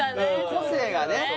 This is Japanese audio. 個性がね